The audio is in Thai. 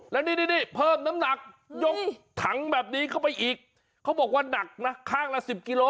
แล้วนี่นี่เพิ่มน้ำหนักยกถังแบบนี้เข้าไปอีกเขาบอกว่าหนักนะข้างละสิบกิโล